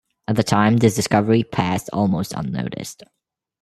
At the time this discovery passed almost unnoticed.